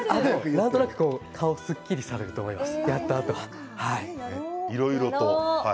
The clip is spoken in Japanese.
なんとなく顔がすっきりすると思います。